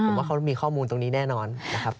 ผมว่าเขามีข้อมูลตรงนี้แน่นอนนะครับ